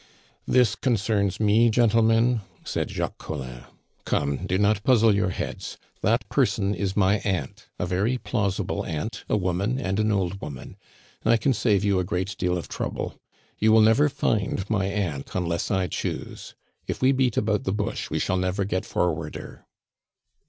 "This concerns me, gentlemen?" said Jacques Collin. "Come, do not puzzle your heads. That person is my aunt, a very plausible aunt, a woman, and an old woman. I can save you a great deal of trouble. You will never find my aunt unless I choose. If we beat about the bush, we shall never get forwarder."